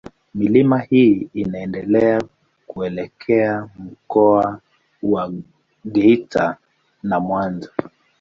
Milima hii inaendelea kuelekea Mkoa wa Geita na Mwanza.